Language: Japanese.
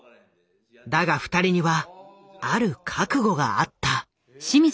だが２人にはある覚悟があった。